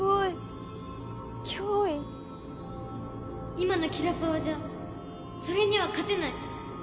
今のキラパワじゃそれには勝てない。